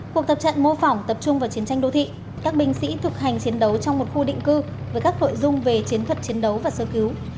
cuộc tập trận mô phỏng tập trung vào chiến tranh đô thị các binh sĩ thực hành chiến đấu trong một khu định cư với các nội dung về chiến thuật chiến đấu và sơ cứu